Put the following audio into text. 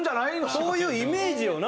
そういうイメージよな。